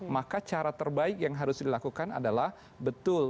maka cara terbaik yang harus dilakukan adalah betul